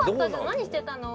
何してたの？